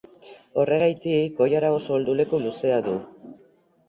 Horregatik, koilara oso helduleku luzea du.